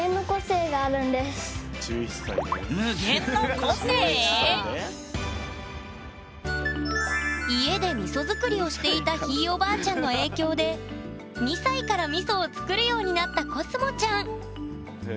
１１歳で⁉家でみそ作りをしていたひいおばあちゃんの影響で２歳からみそを作るようになったこすもちゃん